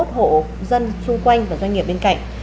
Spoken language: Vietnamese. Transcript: ba mươi một hộ dân xung quanh và doanh nghiệp bên cạnh